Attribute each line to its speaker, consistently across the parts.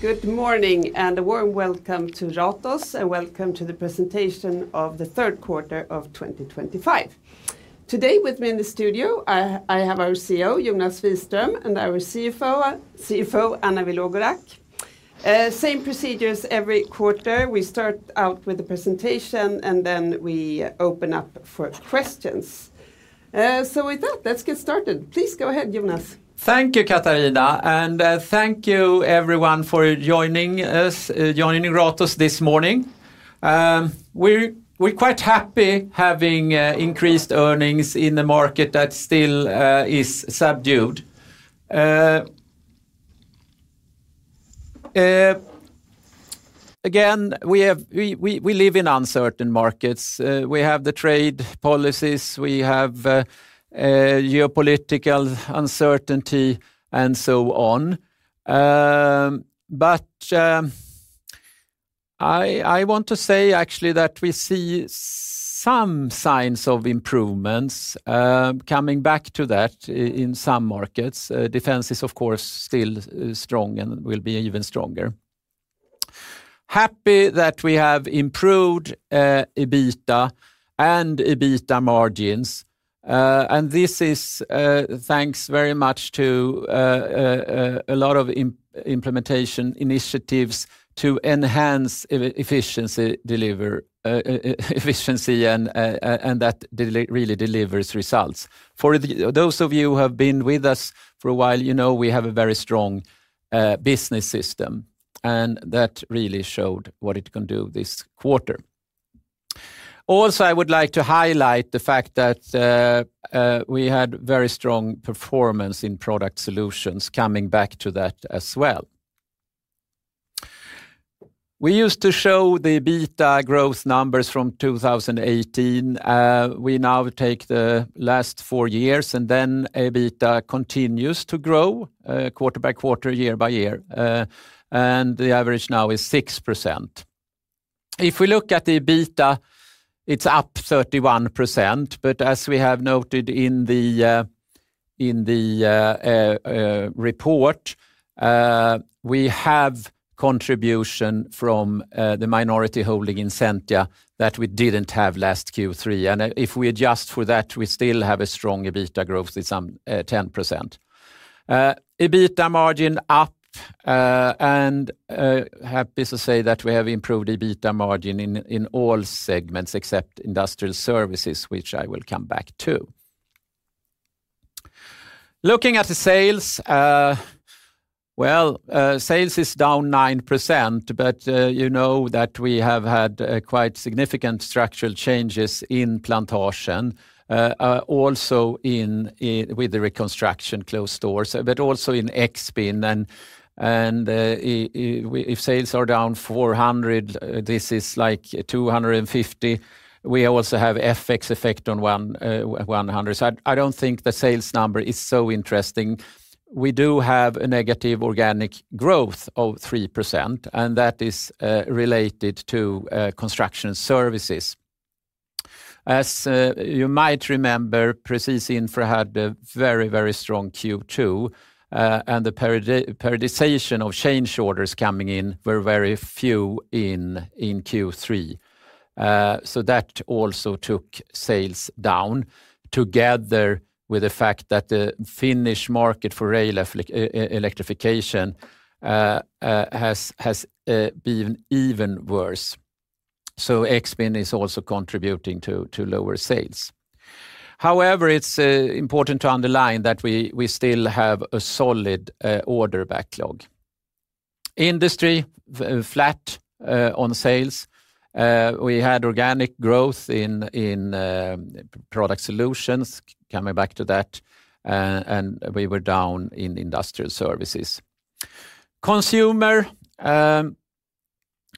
Speaker 1: Good morning and a warm welcome to Ratos and welcome to the presentation of the third quarter of 2025. Today with me in the studio, I have our CEO, Jonas Wiström, and our CFO, Anna Vilogorac. Same procedures every quarter. We start out with the presentation and then we open up for questions. With that, let's get started. Please go ahead, Jonas.
Speaker 2: Thank you, Katarina, and thank you everyone for joining us, joining Ratos this morning. We're quite happy having increased earnings in the market that still is subdued. Again, we live in uncertain markets. We have the trade policies, we have geopolitical uncertainty, and so on. I want to say actually that we see some signs of improvements. Coming back to that, in some markets, defense is of course still strong and will be even stronger. Happy that we have improved EBITDA and EBITDA margins. This is thanks very much to a lot of implementation initiatives to enhance efficiency and that really delivers results. For those of you who have been with us for a while, you know we have a very strong business system and that really showed what it can do this quarter. Also, I would like to highlight the fact that we had very strong performance in product solutions, coming back to that as well. We used to show the EBITDA growth numbers from 2018. We now take the last four years and then EBITDA continues to grow quarter-by-quarter, year-by-year, and the average now is 6%. If we look at the EBITDA, it's up 31%, but as we have noted in the report, we have contribution from the minority holding incentive that we didn't have last Q3. If we adjust for that, we still have a strong EBITDA growth with some 10%. EBITDA margin up and happy to say that we have improved EBITDA margin in all segments except industrial services, which I will come back to. Looking at the sales, sales is down 9%, but you know that we have had quite significant structural changes in Plantasjen, also with the reconstruction, closed stores, but also in Expin. If sales are down 400, this is like 250. We also have FX effect on 100. I don't think the sales number is so interesting. We do have a negative organic growth of 3% and that is related to construction and services. As you might remember, Presis Infra had a very, very strong Q2 and the periodization of change orders coming in were very few in Q3. That also took sales down together with the fact that the Finnish market for rail electrification has been even worse. Expin is also contributing to lower sales. However, it's important to underline that we still have a solid order backlog. Industry flat on sales. We had organic growth in product solutions, coming back to that, and we were down in industrial services. Consumer,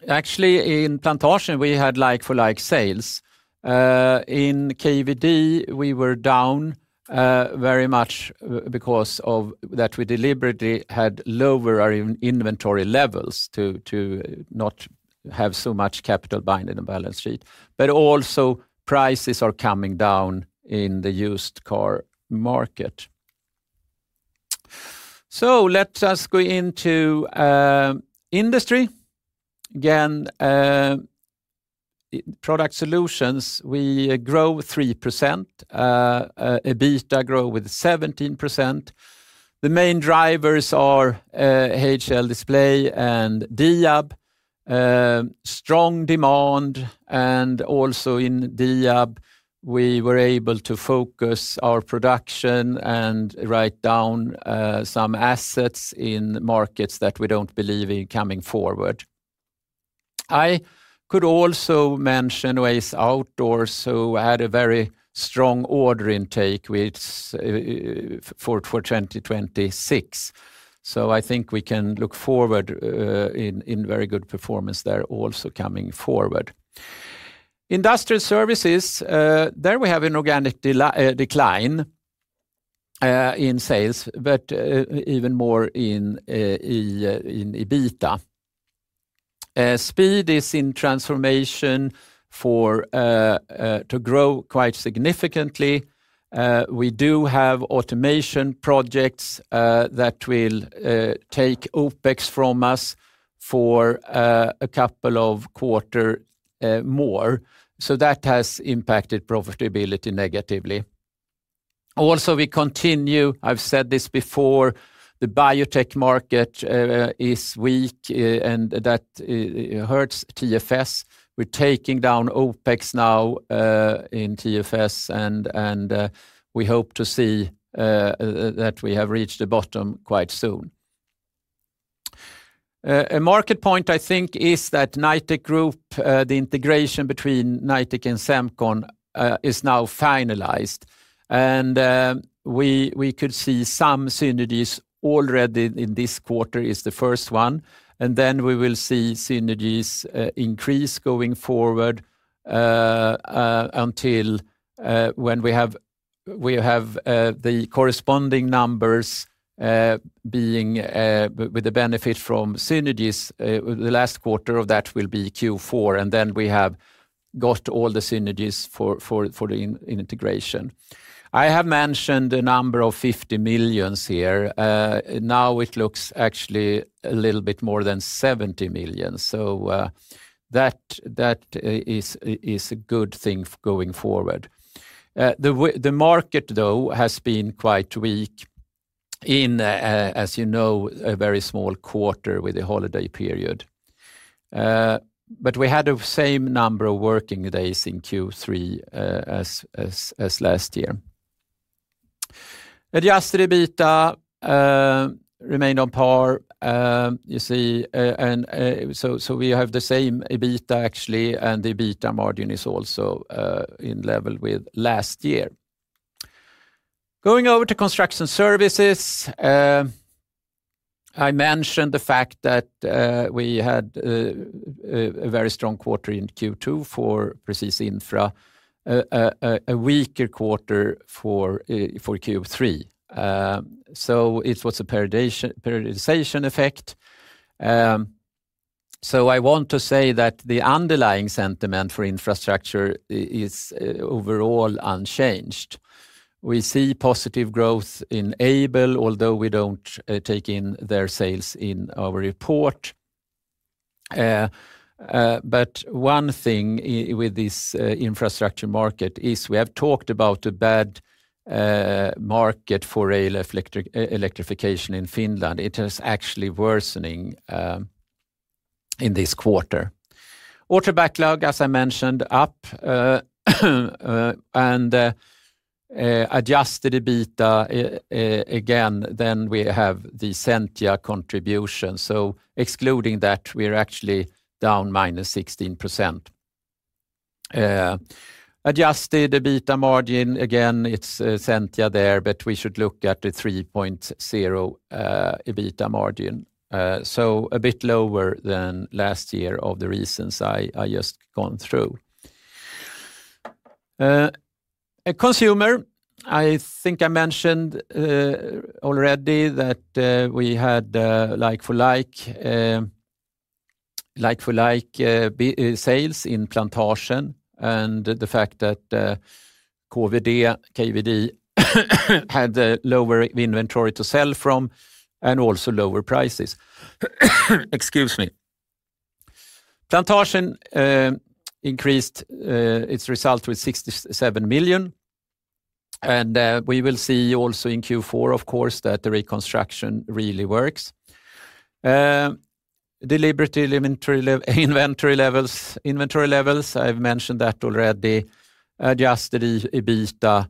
Speaker 2: actually in Plantasjen, we had like-for-like sales. In KVD, we were down very much because of that we deliberately had lower inventory levels to not have so much capital binding on balance sheet. Also, prices are coming down in the used car market. Let us go into industry. Again, product solutions, we grow 3%. EBITDA grows with 17%. The main drivers are HL Display and Diab. Strong demand and also in Diab, we were able to focus our production and write down some assets in markets that we don't believe in coming forward. I could also mention Oase Outdoors, who had a very strong order intake for 2026. I think we can look forward in very good performance there also coming forward. Industrial services, there we have an organic decline in sales, but even more in EBITDA. Speed is in transformation to grow quite significantly. We do have automation projects that will take OpEx from us for a couple of quarters more. That has impacted profitability negatively. Also, we continue, I've said this before, the biotech market is weak and that hurts TFS. We're taking down OpEx now in TFS and we hope to see that we have reached the bottom quite soon. A market point I think is that Knightec Group, the integration between Knightec and Semcon, is now finalized. We could see some synergies already in this quarter, it is the first one. We will see synergies increase going forward until when we have the corresponding numbers being with the benefit from synergies. The last quarter of that will be Q4 and then we have got all the synergies for the integration. I have mentioned a number of 50 million here. Now it looks actually a little bit more than 70 million. That is a good thing going forward. The market though has been quite weak in, as you know, a very small quarter with a holiday period. We had the same number of working days in Q3 as last year. Adjusted EBITDA remained on par. You see, and so we have the same EBITDA actually and the EBITDA margin is also in level with last year. Going over to construction and services, I mentioned the fact that we had a very strong quarter in Q2 for Presis Infra, a weaker quarter for Q3. It was a periodization effect. I want to say that the underlying sentiment for infrastructure is overall unchanged. We see positive growth in Aibel, although we don't take in their sales in our report. One thing with this infrastructure market is we have talked about a bad market for rail electrification in Finland. It is actually worsening in this quarter. Order backlog, as I mentioned, up and adjusted EBITDA again, then we have the Sentia contribution. Excluding that, we are actually down -16%. Adjusted EBITDA margin again, it's Sentia there, but we should look at the 3.0% EBITDA margin. A bit lower than last year for the reasons I just gone through. Consumer, I think I mentioned already that we had like-for-like sales in Plantasjen and the fact that KVD had lower inventory to sell from and also lower prices. Excuse me. Plantasjen increased its result with 67 million. We will see also in Q4, of course, that the reconstruction really works. Deliberate inventory levels, I've mentioned that already. Adjusted EBITDA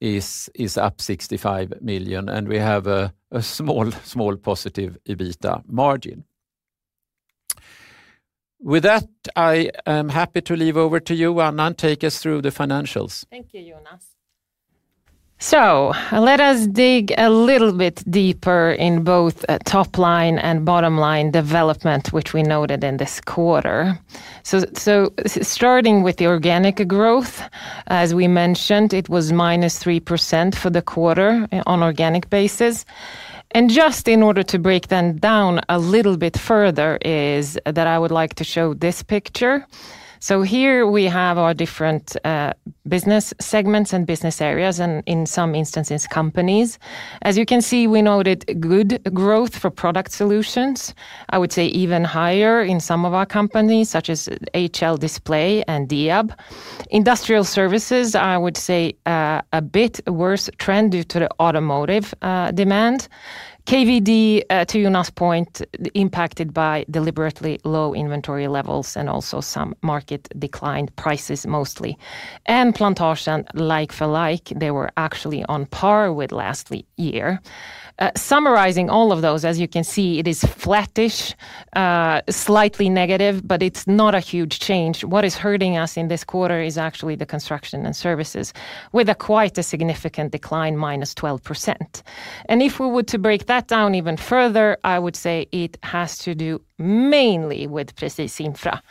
Speaker 2: is up 65 million and we have a small positive EBITDA margin. With that, I am happy to leave over to you, Anna, and take us through the financials.
Speaker 3: Thank you, Jonas. Let us dig a little bit deeper in both top line and bottom line development, which we noted in this quarter. Starting with the organic growth, as we mentioned, it was -3% for the quarter on an organic basis. Just in order to break them down a little bit further, I would like to show this picture. Here we have our different business segments and business areas and in some instances, companies. As you can see, we noted good growth for product solutions. I would say even higher in some of our companies, such as HL Display and Diab. Industrial services, I would say, had a bit worse trend due to the automotive demand. KVD, to Jonas' point, was impacted by deliberately low inventory levels and also some market declined prices mostly. Plantasjen, like-for-like, was actually on par with last year. Summarizing all of those, as you can see, it is flattish, slightly negative, but it's not a huge change. What is hurting us in this quarter is actually the construction and services with quite a significant decline, -12%. If we were to break that down even further, I would say it has to do mainly with Presis Infra.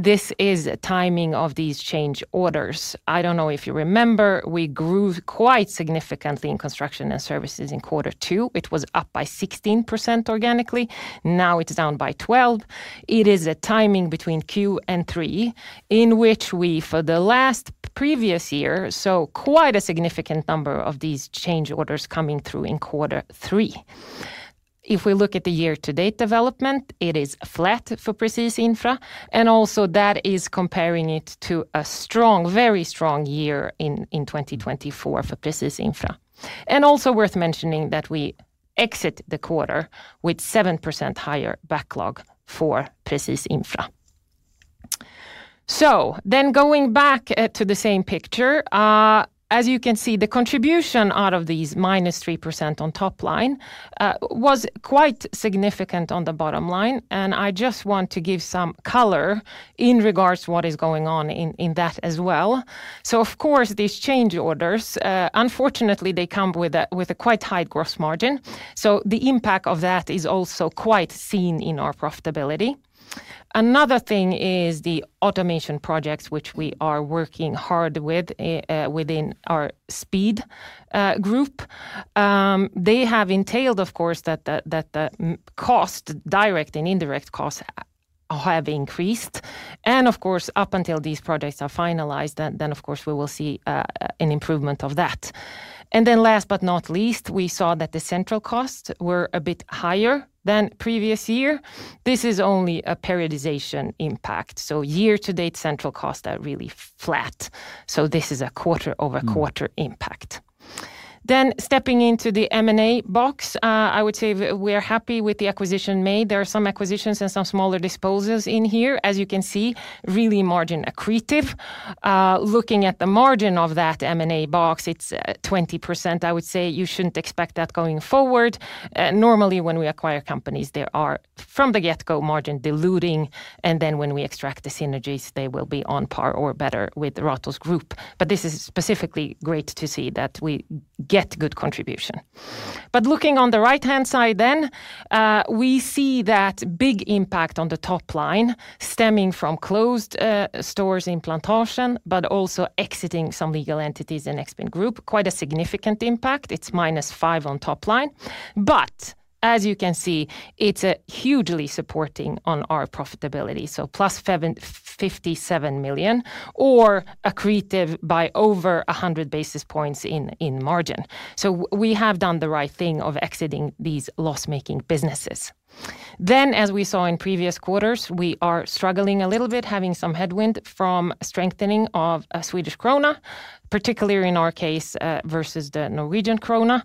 Speaker 3: This is the timing of these change orders. I don't know if you remember, we grew quite significantly in construction and services in quarter two. It was up by 16% organically. Now it's down by 12%. It is a timing between Q2 and Q3 in which we, for the last previous year, saw quite a significant number of these change orders coming through in quarter three. If we look at the year-to-date development, it is flat for Presis Infra. That is comparing it to a strong, very strong year in 2024 for Presis Infra. Also worth mentioning that we exit the quarter with 7% higher backlog for Presis Infra. Going back to the same picture, as you can see, the contribution out of these -3% on top line was quite significant on the bottom line. I just want to give some color in regards to what is going on in that as well. Of course, these change orders, unfortunately, come with a quite high gross margin. The impact of that is also quite seen in our profitability. Another thing is the automation projects, which we are working hard with within our Speed Group. They have entailed, of course, that the cost, direct and indirect costs, have increased. Up until these projects are finalized, we will see an improvement of that. Last but not least, we saw that the central costs were a bit higher than previous year. This is only a periodization impact. Year-to-date central costs are really flat. This is a quarter over quarter impact. Stepping into the M&A box, I would say we are happy with the acquisition made. There are some acquisitions and some smaller disposals in here, as you can see, really margin-accretive. Looking at the margin of that M&A box, it's 20%. I would say you shouldn't expect that going forward. Normally when we acquire companies, they are from the get-go margin diluting, and when we extract the synergies, they will be on par or better with the Ratos group. This is specifically great to see that we get good contribution. Looking on the right-hand side, we see that big impact on the top line stemming from closed stores in Plantasjen, but also exiting some legal entities in Expin Group, quite a significant impact. It's -5% on top line. As you can see, it's hugely supporting on our profitability. +57 million or accretive by over 100 basis points in margin. We have done the right thing of exiting these loss-making businesses. As we saw in previous quarters, we are struggling a little bit, having some headwind from strengthening of a Swedish krona, particularly in our case versus the Norwegian krona.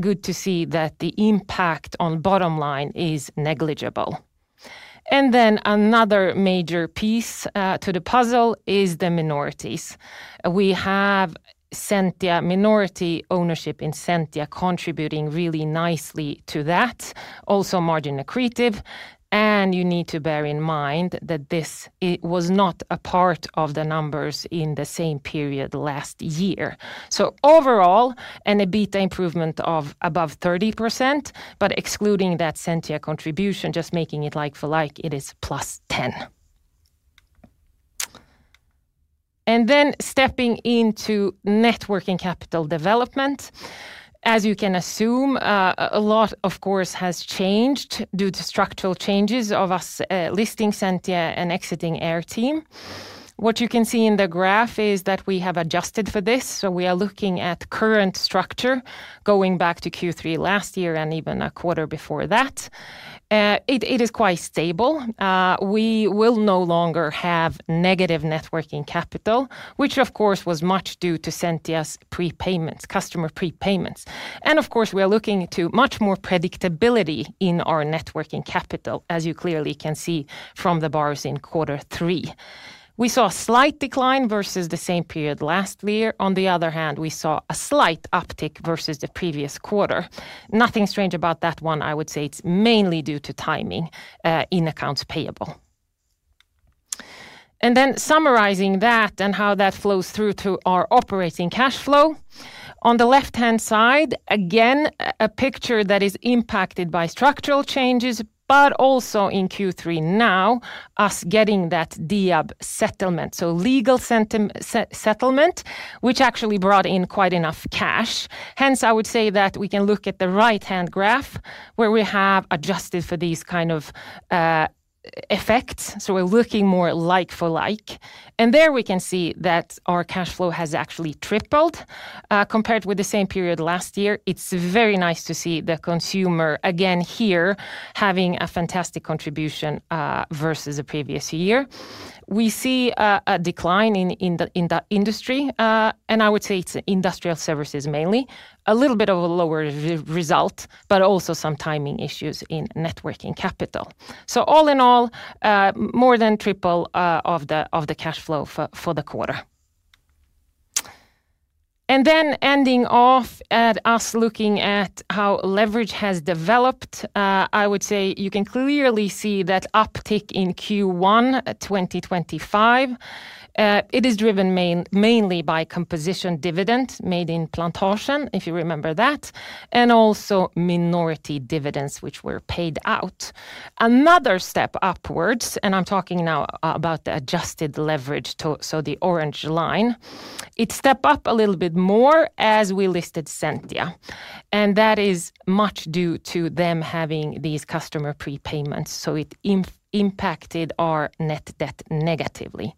Speaker 3: Good to see that the impact on bottom line is negligible. Another major piece to the puzzle is the minorities. We have Sentia minority ownership in Sentia contributing really nicely to that, also margin-accretive. You need to bear in mind that this was not a part of the numbers in the same period last year. Overall, an EBITDA improvement of above 30%, but excluding that Sentia contribution, just making it like-for-like, it is +10%. Stepping into networking capital development, as you can assume, a lot of course has changed due to structural changes of us listing Sentia and exiting airteam. What you can see in the graph is that we have adjusted for this. We are looking at current structure going back to Q3 last year and even a quarter before that. It is quite stable. We will no longer have negative networking capital, which of course was much due to Sentia's prepayments, customer prepayments. We are looking to much more predictability in our networking capital, as you clearly can see from the bars in quarter three. We saw a slight decline versus the same period last year. On the other hand, we saw a slight uptick versus the previous quarter. Nothing strange about that one. I would say it's mainly due to timing in accounts payable. Summarizing that and how that flows through to our operating cash flow, on the left-hand side, again, a picture that is impacted by structural changes, but also in Q3 now, us getting that Diab settlement. Legal settlement, which actually brought in quite enough cash. Hence, I would say that we can look at the right-hand graph where we have adjusted for these kinds of effects. We're looking more like-for-like. There we can see that our cash flow has actually tripled compared with the same period last year. It's very nice to see the consumer again here having a fantastic contribution versus the previous year. We see a decline in the industry, and I would say it's industrial services mainly. A little bit of a lower result, but also some timing issues in networking capital. All in all, more than triple of the cash flow for the quarter. Ending off at us looking at how leverage has developed, I would say you can clearly see that uptick in Q1 2025. It is driven mainly by composition dividend made in Plantasjen, if you remember that, and also minority dividends which were paid out. Another step upwards, and I'm talking now about the adjusted leverage, so the orange line. It stepped up a little bit more as we listed Sentia, and that is much due to them having these customer prepayments. It impacted our net debt negatively.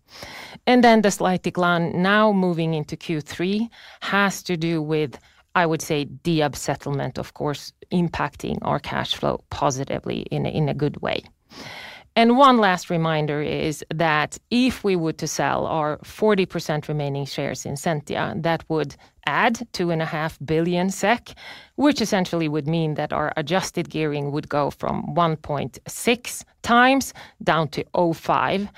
Speaker 3: The slight decline now moving into Q3 has to do with, I would say, Diab settlement, of course, impacting our cash flow positively in a good way. One last reminder is that if we were to sell our 40% remaining shares in Sentia, that would add 2.5 billion SEK, which essentially would mean that our adjusted gearing would go from 1.6x down to 0.5x.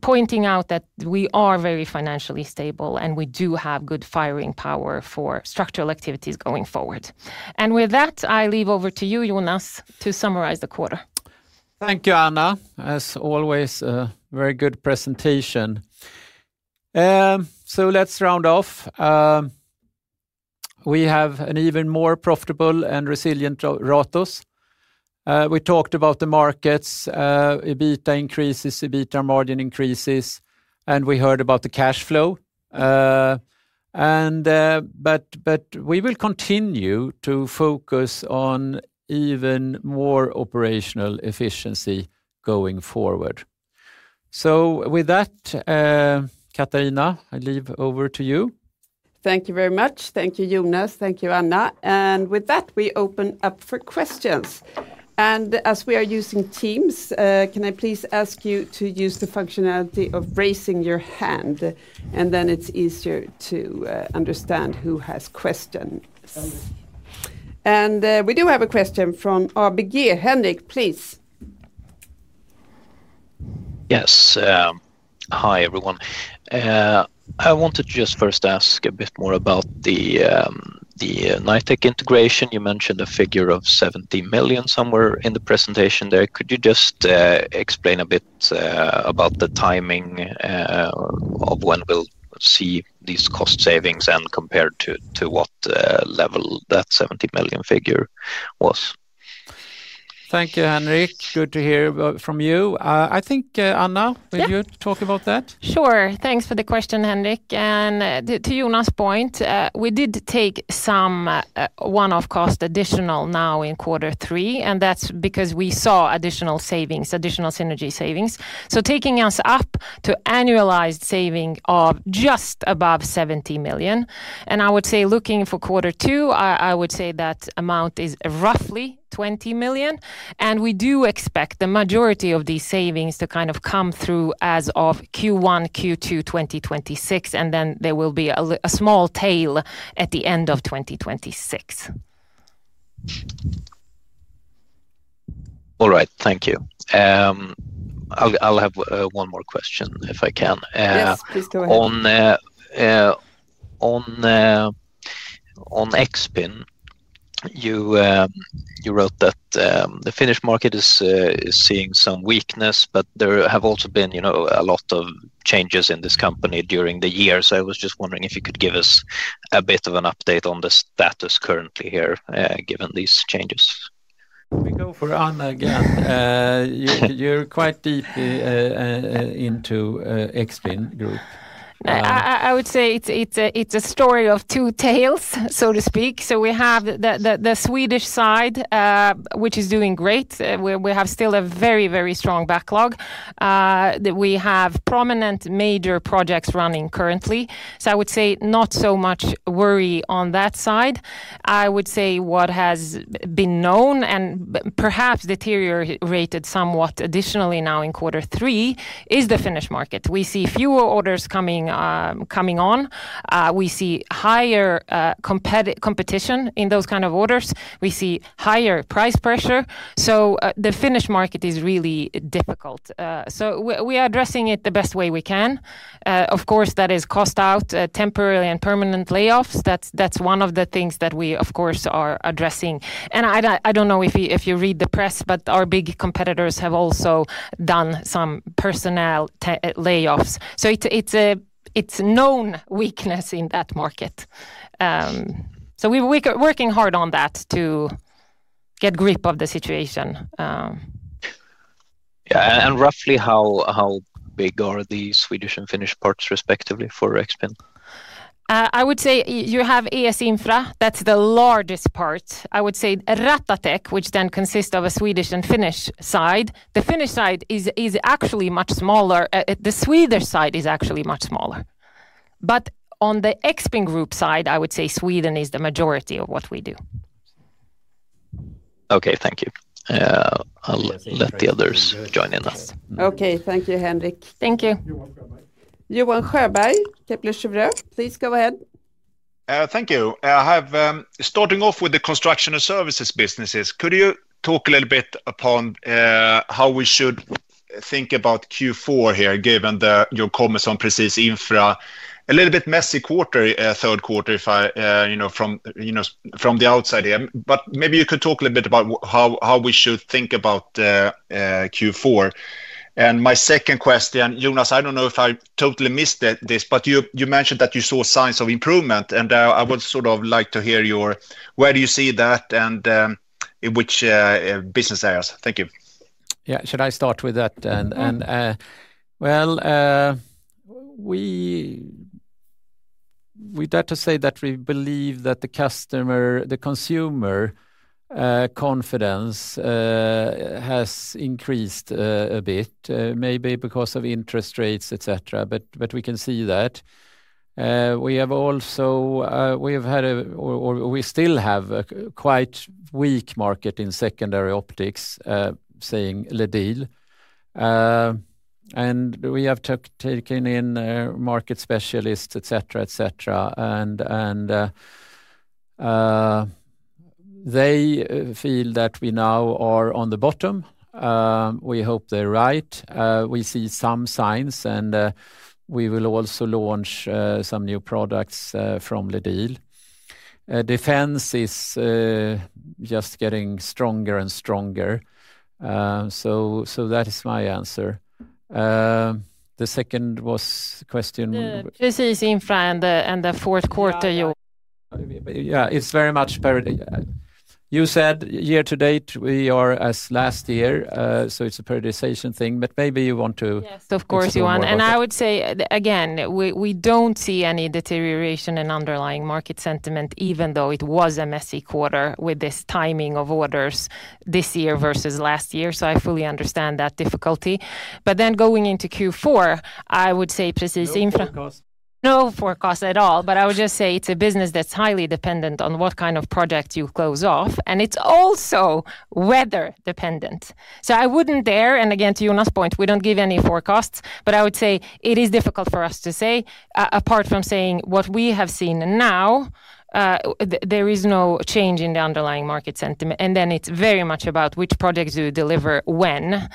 Speaker 3: Pointing out that we are very financially stable and we do have good firing power for structural activities going forward. With that, I leave over to you, Jonas, to summarize the quarter.
Speaker 2: Thank you, Anna. As always, a very good presentation. Let's round off. We have an even more profitable and resilient Ratos. We talked about the markets, EBITDA increases, EBITDA margin increases, and we heard about the cash flow. We will continue to focus on even more operational efficiency going forward. With that, Katarina, I leave over to you.
Speaker 1: Thank you very much. Thank you, Jonas. Thank you, Anna. With that, we open up for questions. As we are using Teams, can I please ask you to use the functionality of raising your hand? It's easier to understand who has questions. We do have a question from ABG. Henrik, please.
Speaker 4: Yes. Hi everyone. I wanted to just first ask a bit more about the Knightec integration. You mentioned a figure of 70 million somewhere in the presentation there. Could you just explain a bit about the timing of when we'll see these cost savings and compare to what level that 70 million figure was?
Speaker 2: Thank you, Henrik. Good to hear from you. I think, Anna, would you talk about that?
Speaker 3: Sure. Thanks for the question, Henrik. To Jonas' point, we did take some one-off cost additional now in quarter three, and that's because we saw additional savings, additional synergy savings. This takes us up to annualized saving of just above 70 million. Looking for quarter two, I would say that amount is roughly 20 million. We do expect the majority of these savings to come through as of Q1, Q2 2026, and then there will be a small tail at the end of 2026.
Speaker 4: All right, thank you. I'll have one more question if I can.
Speaker 3: Yes, please go ahead.
Speaker 4: On Expin, you wrote that the Finnish market is seeing some weakness, but there have also been a lot of changes in this company during the year. I was just wondering if you could give us a bit of an update on the status currently here given these changes.
Speaker 2: We go for Anna again. You're quite deep into Expin Group.
Speaker 3: I would say it's a story of two tails, so to speak. We have the Swedish side, which is doing great. We have still a very, very strong backlog. We have prominent major projects running currently. I would say not so much worry on that side. What has been known and perhaps deteriorated somewhat additionally now in quarter three is the Finnish market. We see fewer orders coming on. We see higher competition in those kinds of orders. We see higher price pressure. The Finnish market is really difficult. We are addressing it the best way we can. Of course, that is cost out, temporary and permanent layoffs. That's one of the things that we, of course, are addressing. I don't know if you read the press, but our big competitors have also done some personnel layoffs. It's a known weakness in that market. We're working hard on that to get grip of the situation.
Speaker 4: Yeah, roughly how big are the Swedish and Finnish parts respectively for Expin?
Speaker 3: I would say you have Presis Infra, that's the largest part. I would say Ratatek, which then consists of a Swedish and Finnish side. The Finnish side is actually much smaller. The Swedish side is actually much smaller. On the Expin Group side, I would say Sweden is the majority of what we do.
Speaker 4: Okay, thank you. I'll let the others join us.
Speaker 3: Okay, thank you, Henrik. Thank you.
Speaker 2: You're welcome.
Speaker 1: Johan Sjöberg, Kepler Cheuvreux, please go ahead.
Speaker 5: Thank you. I have started off with the construction and services businesses. Could you talk a little bit about how we should think about Q4 here, given that you're coming from Presis Infra, a little bit messy quarter, third quarter, if I know from the outside here. Maybe you could talk a little bit about how we should think about Q4. My second question, Jonas, I don't know if I totally missed this, but you mentioned that you saw signs of improvement, and I would sort of like to hear your, where do you see that and in which business areas? Thank you.
Speaker 2: Should I start with that? We'd have to say that we believe that the consumer confidence has increased a bit, maybe because of interest rates, etc. We can see that. We have also had a, or we still have a quite weak market in secondary optics, saying [Le Deal]. We have taken in market specialists, etc., etc., and they feel that we now are on the bottom. We hope they're right. We see some signs, and we will also launch some new products from [Le Deal]. Defense is just getting stronger and stronger. That is my answer. The second was question?
Speaker 3: Presis Infra and the fourth quarter, Johan.
Speaker 5: Yeah, it's very much period. You said year to date, we are as last year. It's a periodization thing, but maybe you want to.
Speaker 3: Yes, of course, Johan. I would say, again, we don't see any deterioration in underlying market sentiment, even though it was a messy quarter with this timing of orders this year versus last year. I fully understand that difficulty. Going into Q4, I would say Presis Infra. No forecast. No forecast at all. I would just say it's a business that's highly dependent on what kind of projects you close off. It's also weather dependent. I wouldn't dare, and again to Jonas' point, we don't give any forecasts. I would say it is difficult for us to say, apart from saying what we have seen now, there is no change in the underlying market sentiment. It is very much about which projects you deliver when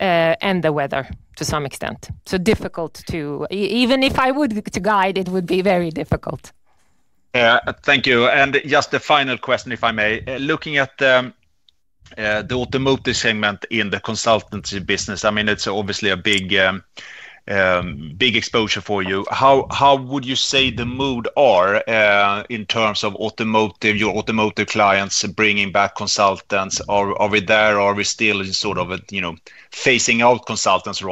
Speaker 3: and the weather to some extent. Difficult to, even if I would guide, it would be very difficult.
Speaker 5: Thank you. Just the final question, if I may. Looking at the automotive segment in the consultancy business, I mean, it's obviously a big exposure for you. How would you say the mood is in terms of your automotive clients bringing back consultants? Are we there, or are we still sort of phasing out consultants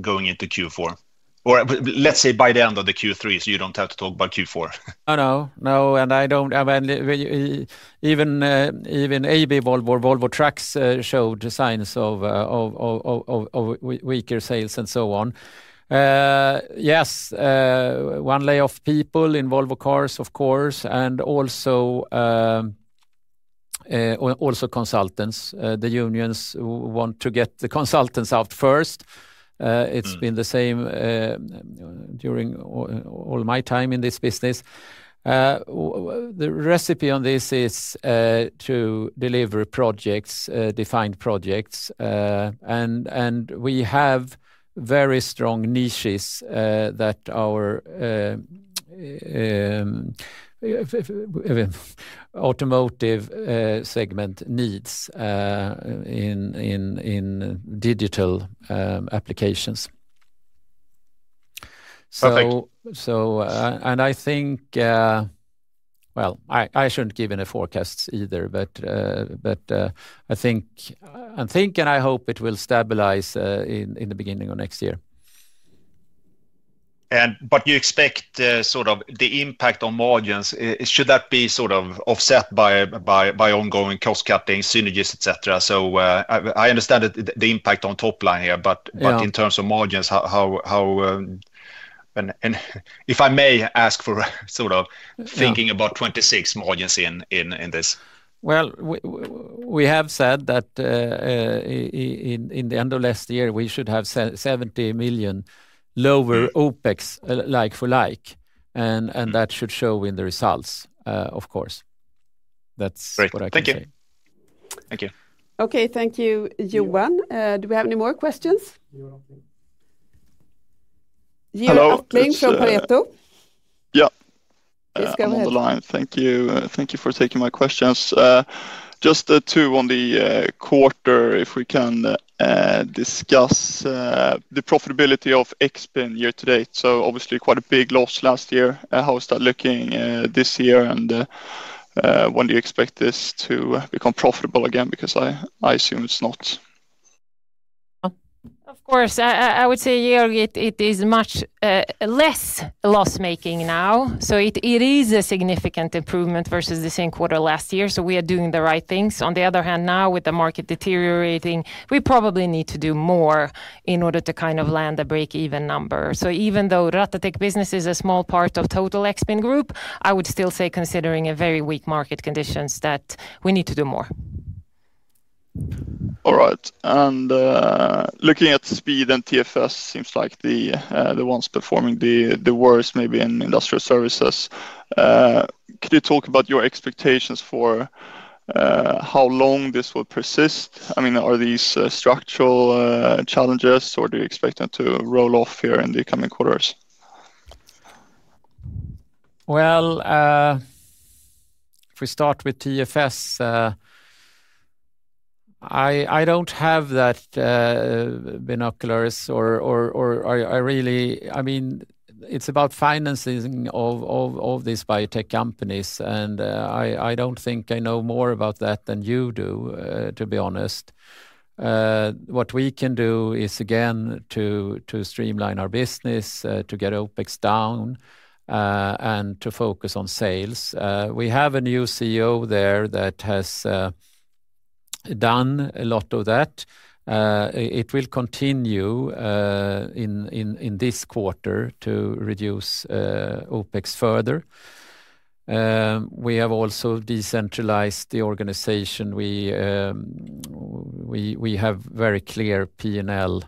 Speaker 5: going into Q4? Or let's say by the end of Q3, so you don't have to talk about Q4.
Speaker 2: No, no, no. I mean, even AB Volvo, Volvo Trucks showed signs of weaker sales and so on. Yes, one layoff people in Volvo Cars, of course, and also consultants. The unions want to get the consultants out first. It's been the same during all my time in this business. The recipe on this is to deliver projects, defined projects. We have very strong niches that our automotive segment needs in digital applications. I think, and I hope it will stabilize in the beginning of next year.
Speaker 5: You expect sort of the impact on margins, should that be sort of offset by ongoing cost cutting, synergies, etc. I understand the impact on top line here, but in terms of margins, if I may ask for sort of thinking about 2026 margins in this.
Speaker 2: At the end of last year, we said we should have 70 million lower OpEx like-for-like, and that should show in the results, of course. That's what I think.
Speaker 5: Thank you.
Speaker 6: Thank you.
Speaker 1: Okay, thank you, Johan. Do we have any more questions?
Speaker 7: Hello.
Speaker 1: Hello, from Pareto.
Speaker 7: Yeah.
Speaker 1: Please go ahead.
Speaker 7: Thank you. Thank you for taking my questions. Just the two on the quarter, if we can discuss the profitability of Expin year to date. Obviously quite a big loss last year. How is that looking this year? When do you expect this to become profitable again? I assume it's not.
Speaker 3: Of course, I would say it is much less loss-making now. It is a significant improvement versus the same quarter last year. We are doing the right things. On the other hand, now with the market deteriorating, we probably need to do more in order to kind of land a break-even number. Even though Ratatek business is a small part of total Expin Group, I would still say considering very weak market conditions that we need to do more.
Speaker 7: All right. Looking at Speed and TFS, it seems like the ones performing the worst maybe in industrial services. Could you talk about your expectations for how long this will persist? I mean, are these structural challenges or do you expect them to roll off here in the coming quarters?
Speaker 2: If we start with TFS, I don't have that binoculars or I really, I mean, it's about financing of these biotech companies. I don't think I know more about that than you do, to be honest. What we can do is again to streamline our business, to get OpEx down, and to focus on sales. We have a new CEO there that has done a lot of that. It will continue in this quarter to reduce OpEx further. We have also decentralized the organization. We have very clear P&L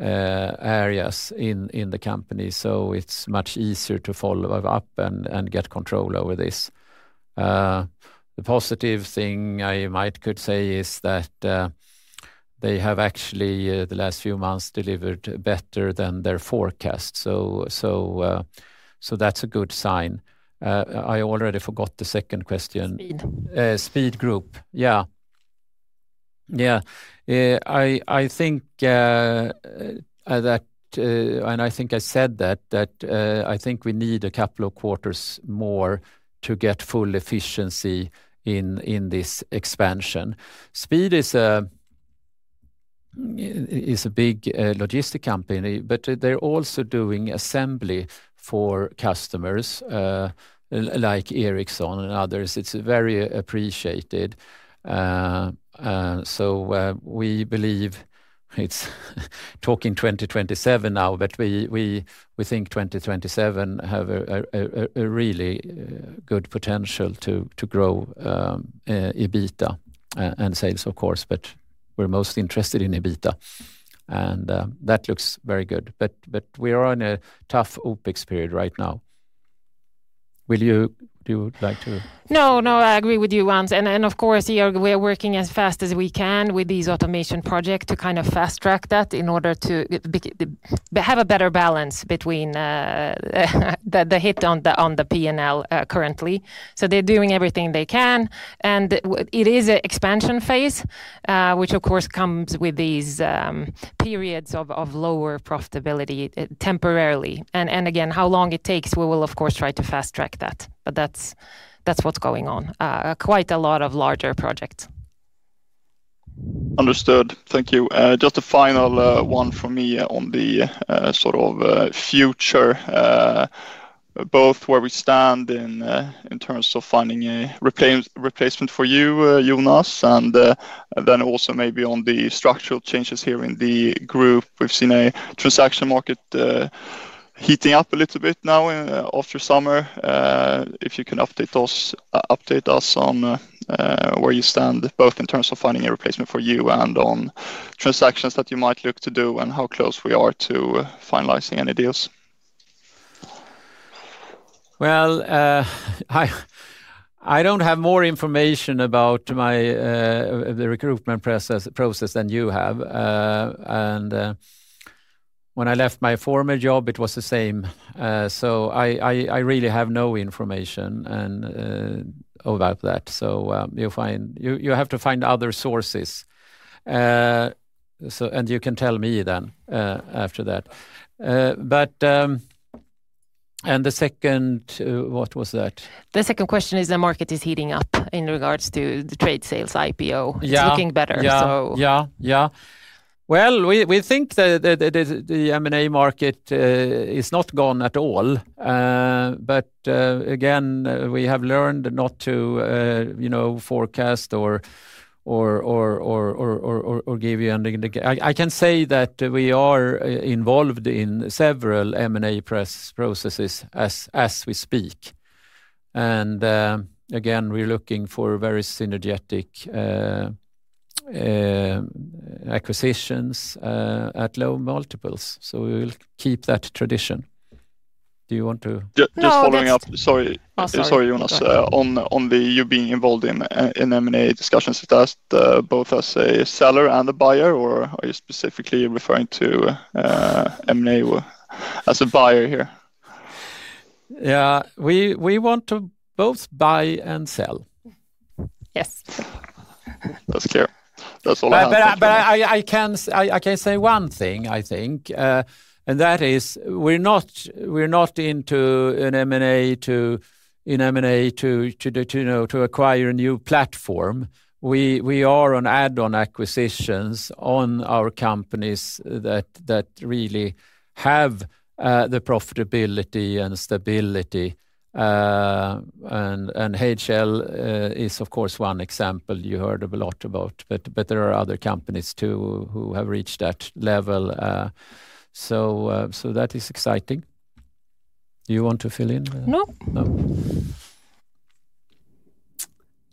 Speaker 2: areas in the company, so it's much easier to follow up and get control over this. The positive thing I might could say is that they have actually the last few months delivered better than their forecast. That's a good sign. I already forgot the second question.
Speaker 3: Speed.
Speaker 2: Speed Group, yeah. I think that, and I think I said that, that I think we need a couple of quarters more to get full efficiency in this expansion. Speed is a big logistics company, but they're also doing assembly for customers like Ericsson and others. It's very appreciated. We believe, it's talking 2027 now, but we think 2027 has a really good potential to grow EBITDA and sales, of course, but we're most interested in EBITDA. That looks very good. We are in a tough OpEx period right now. Would you like to?
Speaker 3: No, no, I agree with you, Jonas. Of course, we are working as fast as we can with these automation projects to kind of fast track that in order to have a better balance between the hit on the P&L currently. They're doing everything they can. It is an expansion phase, which of course comes with these periods of lower profitability temporarily. Again, how long it takes, we will of course try to fast track that. That's what's going on. Quite a lot of larger projects.
Speaker 7: Understood. Thank you. Just a final one for me on the sort of future, both where we stand in terms of finding a replacement for you, Jonas, and then also maybe on the structural changes here in the group. We've seen a transaction market heating up a little bit now after summer. If you can update us on where you stand, both in terms of finding a replacement for you and on transactions that you might look to do and how close we are to finalizing any deals.
Speaker 2: I don't have more information about the recruitment process than you have. When I left my former job, it was the same. I really have no information about that. You have to find other sources. You can tell me then after that. The second, what was that?
Speaker 3: The second question is the market is heating up in regards to the trade sales, IPO. It's looking better.
Speaker 2: Yeah, yeah, yeah. We think that the M&A market is not gone at all. Again, we have learned not to forecast or give you anything. I can say that we are involved in several M&A processes as we speak. Again, we're looking for very synergetic acquisitions at low multiples. We will keep that tradition. Do you want to?
Speaker 7: Just following up, sorry, Jonas. On the you being involved in M&A discussions, is that both as a seller and a buyer, or are you specifically referring to M&A as a buyer here?
Speaker 2: Yeah, we want to both buy and sell.
Speaker 3: Yes.
Speaker 7: That's clear. That's all I have.
Speaker 2: I can say one thing, I think. That is we're not into an M&A to acquire a new platform. We are on add-on acquisitions on our companies that really have the profitability and stability. HL is, of course, one example you heard a lot about. There are other companies too who have reached that level. That is exciting. Do you want to fill in?
Speaker 3: No.
Speaker 2: No.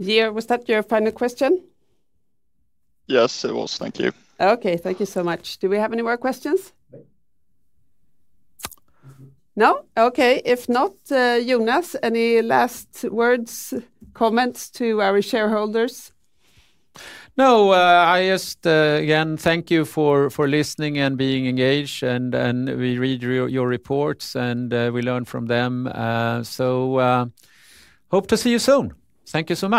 Speaker 1: Zier, was that your final question?
Speaker 7: Yes, it was. Thank you.
Speaker 1: Okay, thank you so much. Do we have any more questions?
Speaker 2: No.
Speaker 1: No? Okay. If not, Jonas, any last words, comments to our shareholders?
Speaker 2: Thank you for listening and being engaged. We read your reports and we learn from them. Hope to see you soon. Thank you so much.